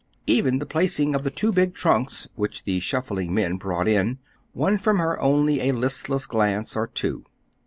Even the placing of the two big trunks, which the shuffling men brought in, won from her only a listless glance or two.